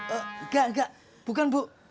engga bukan bu